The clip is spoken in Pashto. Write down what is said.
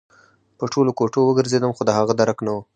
په ټولو کوټو وګرځېدم خو د هغه درک نه و